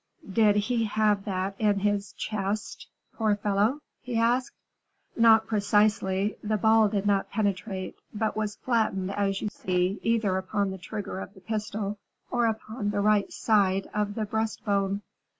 "Did he have that in his chest, poor fellow?" he asked. "Not precisely. The ball did not penetrate, but was flattened, as you see, either upon the trigger of the pistol or upon the right side of the breast bone."